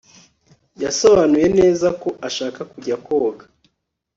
Yasobanuye neza ko ashaka kujya koga